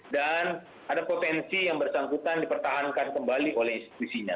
dan ada potensi yang bersangkutan dipertahankan kembali oleh institusinya